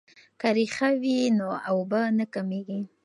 که ریښه وي نو اوبه نه کمیږي.